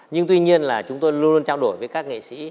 nhưng tuy nhiên là chúng tôi luôn luôn trao đổi với các nghệ sĩ